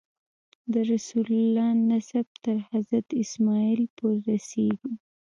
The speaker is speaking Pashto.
د رسول الله نسب تر حضرت اسماعیل پورې رسېږي.